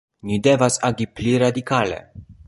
Ni devas agi pli radikale.